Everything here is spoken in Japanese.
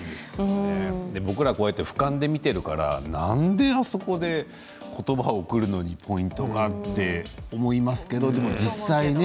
僕らは、ふかんで見ているからなんであそこで言葉を送るのにポイントが？って思いますけれどでも実際ね